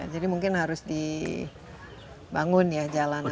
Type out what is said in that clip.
jadi mungkin harus dibangun ya jalanan supaya